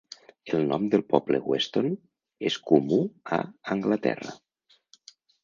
El nom del poble 'Weston' és comú a Anglaterra.